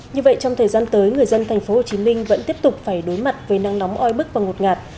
như vậy trong thời gian tới người dân thành phố hồ chí minh vẫn tiếp tục phải đối mặt với nắng nóng oi bức và ngột ngạt